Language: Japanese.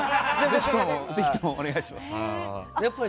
ぜひともお願いします。